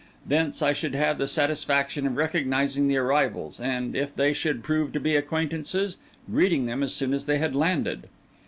Thence, I should have the satisfaction of recognising the arrivals, and, if they should prove to be acquaintances, greeting them as soon as they had landed.